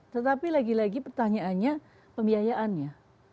tetapi lagi lagi pertanyaannya pembiayaannya